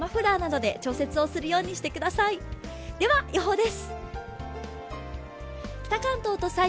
では予報です。